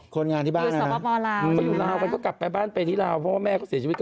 คนงานที่บ้านเหรอนะจะอยู่ราวไม่กลับไปบ้านในราวเพราะว่าแม่เสียชีวิต